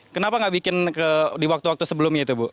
kenapa nggak bikin di waktu waktu sebelumnya itu bu